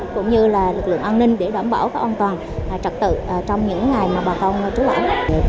cũng như lực lượng an ninh để đảm bảo các an toàn trật tự trong những ngày bà con trú lẫm